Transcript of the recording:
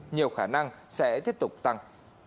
nhiều khả năng sẽ tiếp tục tăng